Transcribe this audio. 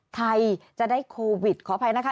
ไทยจะได้โควิดขออภัยนะคะ